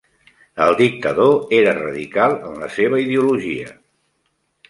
El dictador era radical en la seva ideologia.